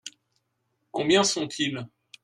Combien sont-ils ?